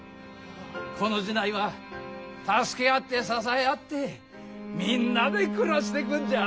この寺内は助け合って支え合ってみんなで暮らしてくんじゃあ！